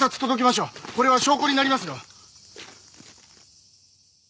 これは証拠になりますよ。